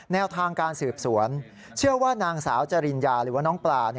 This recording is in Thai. แนวทางการสืบสวนเชื่อว่านางสาวจริญญาหรือว่าน้องปลา